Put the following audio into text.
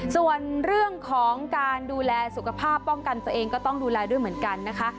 ส่วนเรื่องของการดูแลสุขภาพป้องกันตัวเองก็ต้องดูแลด้วยเหมือนกันนะคะ